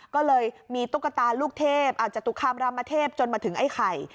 ก็เลยมีตุ๊กตาลูกเทพจตุคามรามเทพจนมาถึงไอ้ไข่